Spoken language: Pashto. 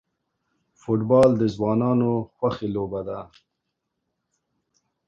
فوټبال د ځوانانو خوښی لوبه ده.